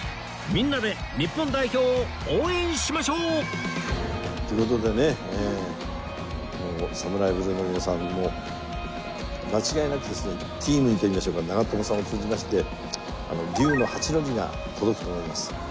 みんなで日本代表を応援しましょう！という事でね ＳＡＭＵＲＡＩＢＬＵＥ の皆さん間違いなくですねチームにといいましょうか長友さんを通じまして龍の８の字が届くと思います。